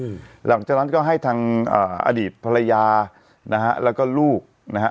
หลังจากนั้นก็ให้ทางอ่าอดีตภรรยานะฮะแล้วก็ลูกนะฮะ